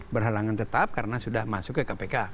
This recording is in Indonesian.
berhalangan tetap karena sudah masuk ke kpk